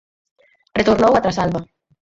Retornou a Trasalba.